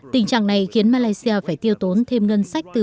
tình trạng này khiến malaysia phải tiêu tốn thêm ngân sách từ một năm